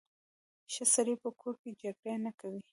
ښه سړی په کور کې جګړې نه کوي.